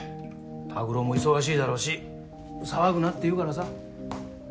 拓郎も忙しいだろうし騒ぐなって言うからさ。